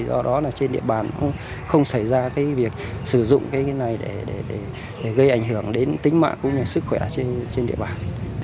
do đó trên địa bàn không xảy ra việc sử dụng cái này để gây ảnh hưởng đến tính mạng của người sức khỏe trên địa bàn